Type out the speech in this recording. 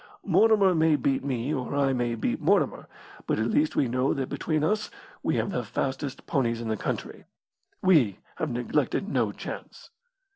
Mortimer may beat me or I may beat Mortimer, but at least we know that between us we have the fastest ponies in the country. We have neglected no chance."